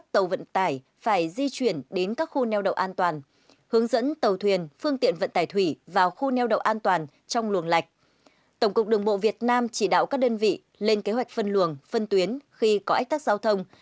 tổng cục đường bộ việt nam chỉ đạo các đơn vị lên kế hoạch phân luồng phân tuyến khi có ách tắc giao thông